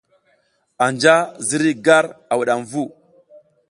Anja ziriy gar a wudam vu.